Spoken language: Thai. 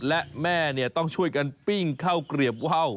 และแม่ต้องช่วยกันปิ้งข้าวเกลียบว่าว